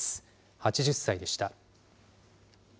８０歳でした。